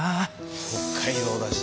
北海道だし。